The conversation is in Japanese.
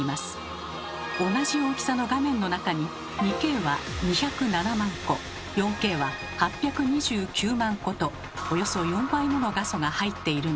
同じ大きさの画面の中に２Ｋは２０７万個４Ｋは８２９万個とおよそ４倍もの画素が入っているのです。